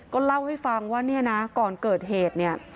ก็เล่าให้ฟังว่าเนี่ยนะก่อนเกิดเหตุเนี่ย